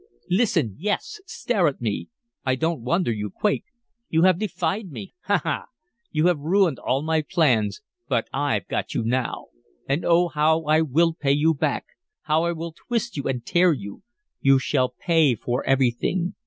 "Listen; yes, stare at me! I don't wonder you quake. You have defied me ha, ha! You have ruined all my plans, but I've got you now. And, oh, how I will pay you back, how I will twist you and tear you! You shall pay for everything.